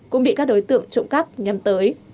cũng bị các đối tượng trộm cắp nhắm tới